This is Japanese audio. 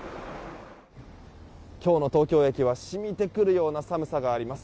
今日の東京駅はしみてくるような寒さがあります。